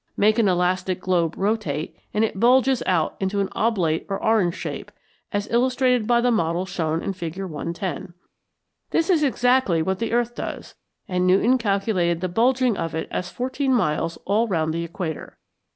Make an elastic globe rotate, and it bulges out into an oblate or orange shape; as illustrated by the model shown in Fig. 110. This is exactly what the earth does, and Newton calculated the bulging of it as fourteen miles all round the equator.